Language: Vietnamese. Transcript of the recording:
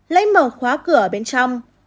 lấy mở khóa cửa ở bên trong